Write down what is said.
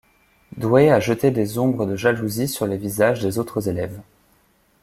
Douée à jeter des ombres de jalousies sur les visages des autres élèves.